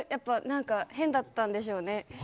何か変だったんでしょうね。